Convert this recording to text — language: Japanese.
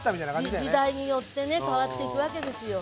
時代によってね変わっていくわけですよ。